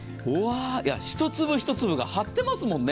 一粒一粒が立ってますもんね。